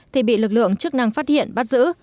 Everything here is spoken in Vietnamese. thì bị lực lượng chức năng phát hiện bắt giữ